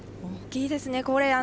大きいですね。